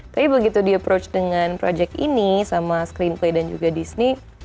tapi begitu di approach dengan project ini sama screen play dan juga disney